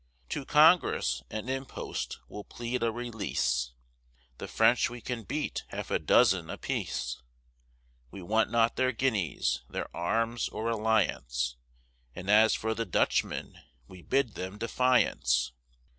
To Congress and impost we'll plead a release; The French we can beat half a dozen apiece; We want not their guineas, their arms, or alliance; And as for the Dutchmen, we bid them defiance.